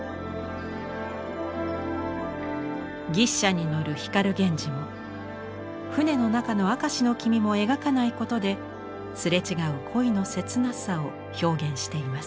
牛車に乗る光源氏も船の中の明石君も描かないことですれ違う恋の切なさを表現しています。